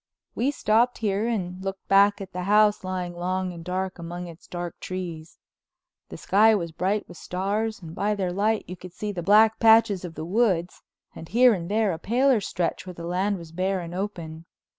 We stopped here and looked back at the house lying long and dark among its dark trees. The sky was bright with stars and by their light you could see the black patches of the woods and here and there a paler stretch where the land was bare and open.